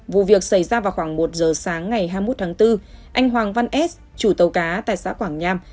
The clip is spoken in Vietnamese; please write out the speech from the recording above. vụ việc xảy ra vào khoảng một giờ sáng ngày hai mươi một tháng bốn anh hoàng văn s chủ tàu cá tại xã quảng nham